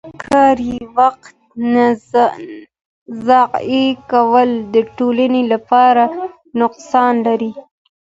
د کاري وخت ضایع کول د ټولنې لپاره نقصان لري.